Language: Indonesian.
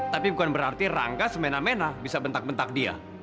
tapi bukan berarti rangka semena mena bisa bentak bentak dia